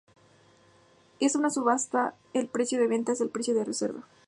En una subasta el precio de venta es el precio de reserva.